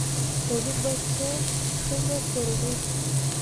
تولید باید څنګه کورنی شي؟